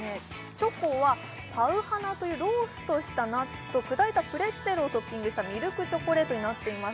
チョコはパウハナというローストしたナッツと砕いたプレッツェルをトッピングしたミルクチョコレートになっています